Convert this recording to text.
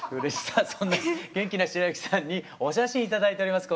さあそんな元気な白雪さんにお写真頂いております。